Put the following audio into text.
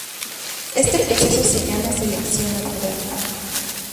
Este proceso se llama selección natural.